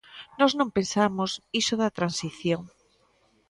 Nós non pensamos iso da Transición.